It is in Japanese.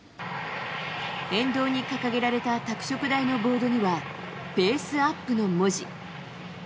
沿道に掲げられた拓殖大のボードには「ペースＵＰ」の文字。